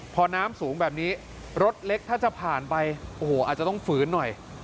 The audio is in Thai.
พอน้ำสูงแบบนี้รถเล็กถ้าจะผ่านไปโอ้โหอาจจะต้องฝืนหน่อย